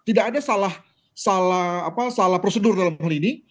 tidak ada salah prosedur dalam hal ini